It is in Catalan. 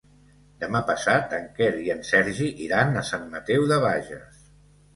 Demà passat en Quer i en Sergi iran a Sant Mateu de Bages.